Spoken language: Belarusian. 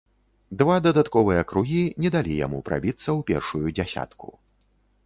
Два дадатковыя кругі не далі яму прабіцца ў першую дзясятку.